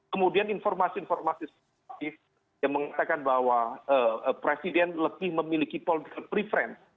kemudian informasi informasi yang mengatakan bahwa presiden lebih memiliki political preference